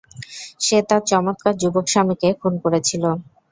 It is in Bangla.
সে তার চমৎকার যুবক স্বামীকে খুন করেছিল।